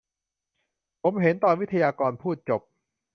ผมเห็นตอนวิทยากรพูดจบ